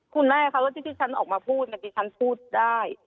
คุณแม่เขารู้สึกที่ฉันออกมาพูดอย่างที่ฉันพูดได้